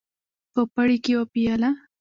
په پړي کې وپېله.